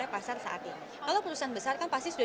pasar saat ini kalau perusahaan besar kan pasti sudah